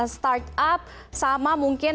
startup sama mungkin